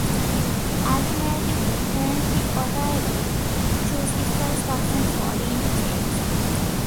Ultimately, the Turnpike Authority chose the first option for the interchange.